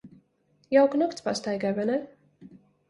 Jauka nakts pastaigai, vai ne?